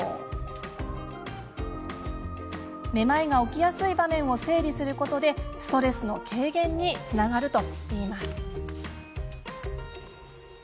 めまいが起きやすい場面を整理することでストレスの軽減につながるといいます。